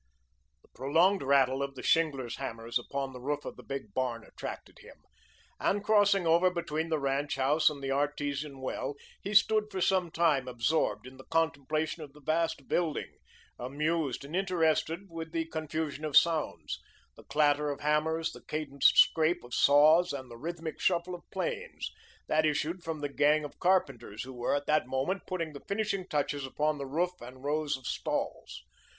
The prolonged rattle of the shinglers' hammers upon the roof of the big barn attracted him, and, crossing over between the ranch house and the artesian well, he stood for some time absorbed in the contemplation of the vast building, amused and interested with the confusion of sounds the clatter of hammers, the cadenced scrape of saws, and the rhythmic shuffle of planes that issued from the gang of carpenters who were at that moment putting the finishing touches upon the roof and rows of stalls.